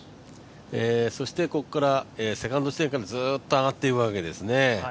そしてここからセカンド地点からずっと上がっていくわけですね。